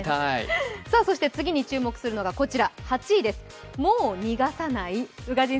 そして、次に注目するのがこちら８位です、もう逃がさない。